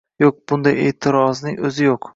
Yo‘q! Bunday e’tirozning o‘zi yo‘q.